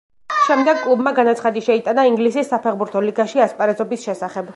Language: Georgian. შემდეგ კლუბმა განაცხადი შეიტანა ინგლისის საფეხბურთო ლიგაში ასპარეზობის შესახებ.